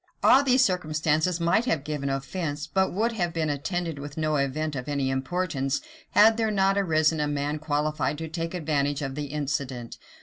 [] All these circumstances might have given offence, but would have been attended with no event of any importance, had there not arisen a man qualified to take advantage of the incident.